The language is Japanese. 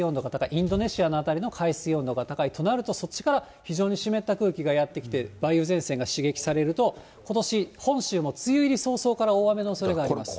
インドネシアの辺りの海水温のほうが高いとなると、そっちから非常に湿った空気がやってきて、梅雨前線が刺激されると、ことし、本州も梅雨入り早々から大雨のおそれがあります。